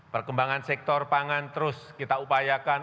perkembangan sektor pangan terus kita upayakan